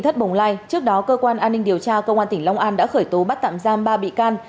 trước đó cơ quan an ninh điều tra công an tỉnh long an đã khởi tố bắt tạm giam ba bị can